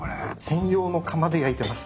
専用の釜で焼いてます。